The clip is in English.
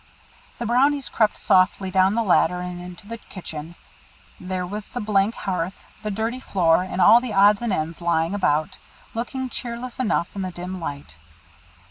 The Brownies crept softly down the ladder and into the kitchen. There was the blank hearth, the dirty floor, and all the odds and ends lying about, looking cheerless enough in the dim light.